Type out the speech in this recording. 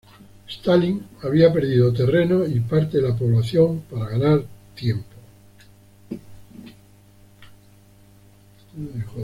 Stalin había perdido terreno y parte de la población para ganar tiempo.